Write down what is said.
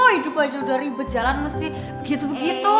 hidup aja udah ribet jalan pasti begitu begitu